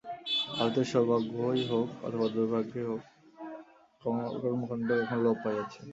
ভারতের সৌভাগ্যেই হউক অথবা দুর্ভাগ্যেই হউক, কর্মকাণ্ড এখন লোপ পাইয়াছে।